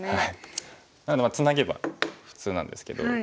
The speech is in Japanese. ツナげば普通なんですけど。